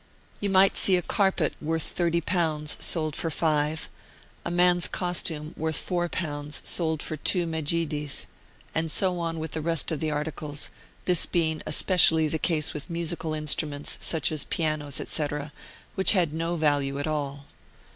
You might see a carpet, worth thirty pounds, sold for five, a man's costume, worth four pounds, sold for two medjidies, and so on with the rest of the articles, this being especially the case with musical instruments, such as pianos, etc., which had no value at all.